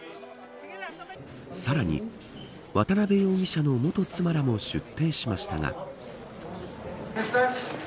さらに渡辺容疑者の元妻らも出廷しましたが。